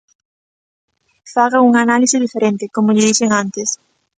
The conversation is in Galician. Fagan unha análise diferente, como lle dixen antes.